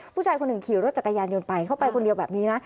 ผู้ชายคนหนึ่งขี่รถจักรยานยนต์ไปเข้าไปคนเดียวแบบนี้นะ